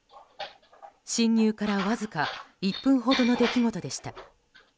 侵入からわずか１分ほどの出来事でした。